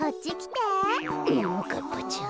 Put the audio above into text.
ももかっぱちゃん